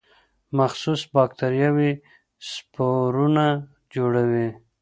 مخصوص باکتریاوې سپورونه جوړوي.